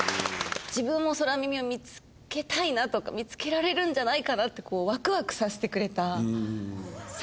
自分も空耳を見付けたいなとか見付けられるんじゃないかなってワクワクさせてくれた作品です。